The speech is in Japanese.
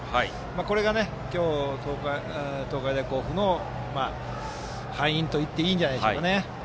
これが東海大甲府の敗因といっていいんじゃないですかね。